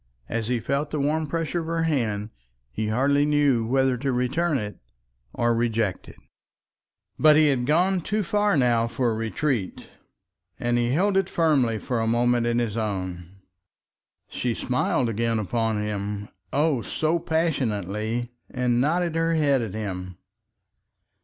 As he felt the warm pressure of her hand he hardly knew whether to return it or to reject it. But he had gone too far now for retreat, and he held it firmly for a moment in his own. She smiled again upon him, oh! so passionately, and nodded her head at him.